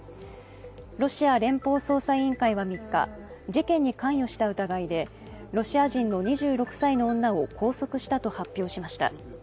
ロシア連邦捜査委員会は３日事件に関与した疑いでロシア人の２６歳の女を拘束したと発表しました。